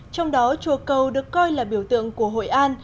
trong đó chùa cầu được coi là biểu tượng của hội an